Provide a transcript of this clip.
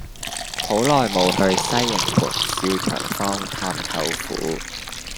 好耐無去西營盤兆祥坊探舅父